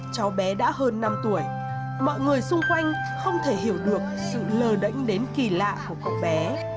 cháu bé đã hơn năm tuổi mọi người xung quanh không thể hiểu được sự lờ đánh đến kỳ lạ của cậu bé